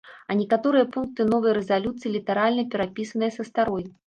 А некаторыя пункты новай рэзалюцыі літаральна перапісаныя са старой.